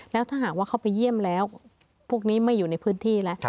แล้วถ้าหากว่าเขาไปเยี่ยมแล้วพวกนี้ไม่อยู่ในพื้นที่แล้ว